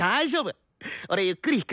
俺ゆっくり弾くし！